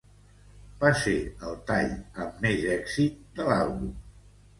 Va ser el tall amb més èxit de l'àlbum.